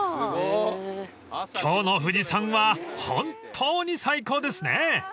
［今日の富士山は本当に最高ですね！］